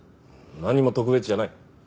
何も特別じゃない。